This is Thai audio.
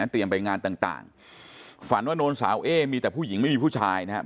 เตรียมไปงานต่างฝันว่าโน้นสาวเอ๊มีแต่ผู้หญิงไม่มีผู้ชายนะครับ